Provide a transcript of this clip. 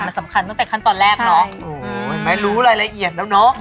มันสำคัญตั้งแต่ขั้นตอนแรกเนอะโอ้โหไม่รู้รายละเอียดแล้วเนอะ